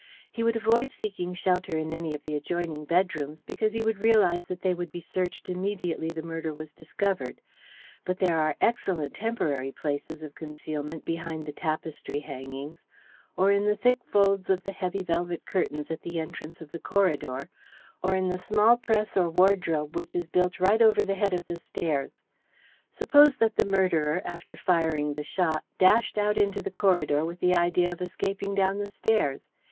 He would avoid seeking shelter in any of the adjoining bedrooms, because he would realize that they would be searched immediately the murder was discovered, but there are excellent temporary places of concealment behind the tapestry hangings, or in the thick folds of the heavy velvet curtains at the entrance to the corridor, or in the small press or wardrobe which is built right over the head of the stairs. Suppose that the murderer, after firing the shot, dashed out into the corridor with the idea of escaping down the stairs.